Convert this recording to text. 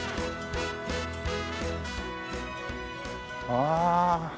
ああ。